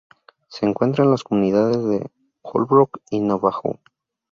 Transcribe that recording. Se encuentra en las comunidades de Holbrook y Navajo.